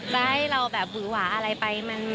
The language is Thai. ได้เราแบบหวาอะไรไป